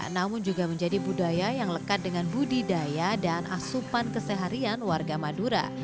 namun juga menjadi budaya yang lekat dengan budidaya dan asupan keseharian warga madura